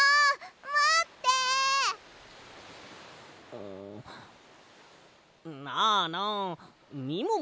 うんなあなあみもも